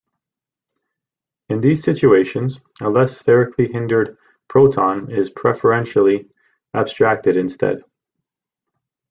In these situations, a less sterically hindered proton is preferentially abstracted instead.